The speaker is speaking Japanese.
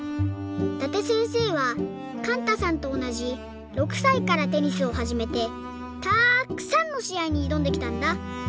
伊達せんせいはかんたさんとおなじ６さいからテニスをはじめてたくさんのしあいにいどんできたんだ。